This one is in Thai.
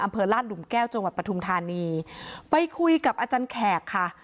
อำเภอลาดหลุมแก้วจังหวัดปทุมธานีไปคุยกับอาจารย์แขกค่ะ